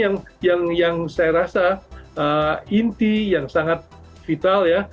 jadi ini yang saya rasa inti yang sangat vital ya